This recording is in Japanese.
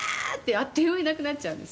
「あっという間になくなっちゃうんです」